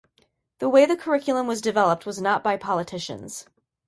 The way the curriculum was developed was not by politicians.